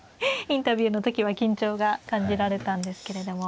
インタビューの時は緊張が感じられたんですけれども。